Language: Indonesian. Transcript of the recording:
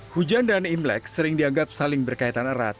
hujan dan imlek sering dianggap saling berkaitan erat